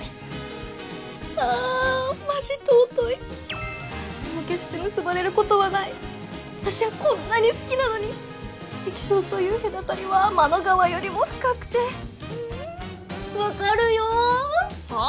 あぁマジ尊いでも決して結ばれることはない私はこんなに好きなのに液晶という隔たりは天の川よりも深くてうんうん分かるよはぁ？